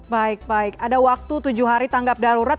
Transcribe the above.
baik baik ada waktu tujuh hari tanggap darurat